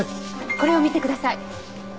これを見てください。